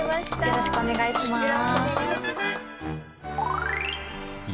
よろしくお願いします。